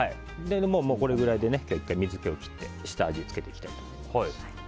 これくらいで１回水気を切って下味をつけていきたいと思います。